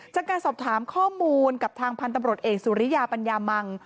จากการสอบถามข้อมูลกับทางพันธุ์ตำรวจเอกสุริยาปัญญามัง